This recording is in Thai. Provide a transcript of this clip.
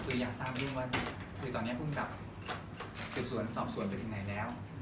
คืออยากทราบด้วยว่าคือตอนนี้คุณกลับศูนย์สอบส่วนไปถึงไหนแล้ว